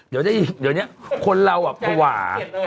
เดี๋ยวเนี่ยคนเราอะพวา